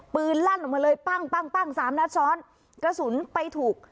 ลั่นออกมาเลยปั้งปั้งปั้งสามนัดซ้อนกระสุนไปถูก